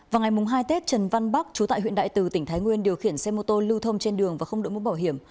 vào ngày hai tết trần văn bắc chú tại huyện đại từ tỉnh thái nguyên điều khiển xe mô tô lưu thông trên đường và không đổi mũ bảo hiểm